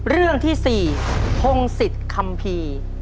เรื่องที่๔พงศิษย์คัมภีร์